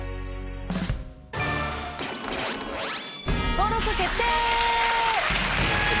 登録決定！